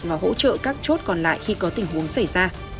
và hỗ trợ các chốt còn lại khi có tình huống xảy ra